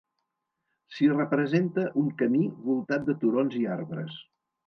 S'hi representa un camí voltat de turons i arbres.